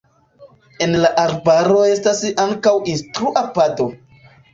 En la arbaro estas ankaŭ instrua pado.